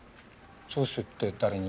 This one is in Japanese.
聴取って誰に？